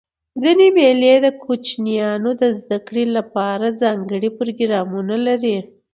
ځيني مېلې د کوچنيانو د زدهکړي له پاره ځانګړي پروګرامونه لري.